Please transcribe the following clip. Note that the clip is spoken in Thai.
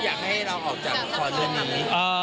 อยากให้เราออกจากขอเชิญนั้น